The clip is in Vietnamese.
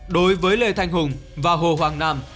đối với lê thanh hùng và hồ hoàng nam